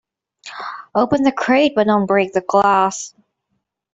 Open the crate but don't break the glass.